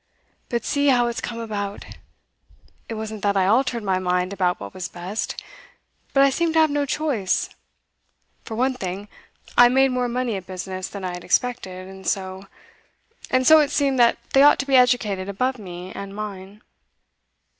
But see how it's come about. It wasn't that I altered my mind about what was best. But I seemed to have no choice. For one thing, I made more money at business than I had expected, and so and so it seemed that they ought to be educated above me and mine.